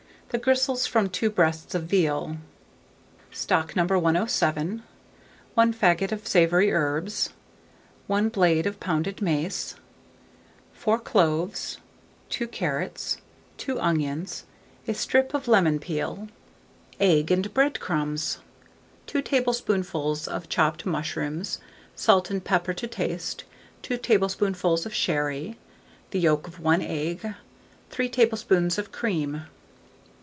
The gristles from 2 breasts of veal, stock No. 107, 1 faggot of savoury herbs, 1 blade of pounded mace, 4 cloves, 2 carrots, 2 onions, a strip of lemon peel, egg and bread crumbs, 2 tablespoonfuls of chopped mushrooms, salt and pepper to taste, 2 tablespoonfuls of sherry, the yolk of 1 egg, 3 tablespoonfuls of cream.